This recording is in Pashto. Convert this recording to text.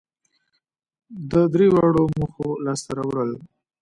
د درېواړو موخو لاسته راوړل